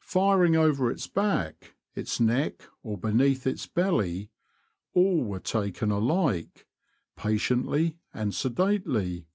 Firing over its back, its neck, or beneath its belly — all were taken alike, patiently and sedately.